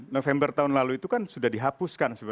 november tahun lalu itu kan sudah dihapuskan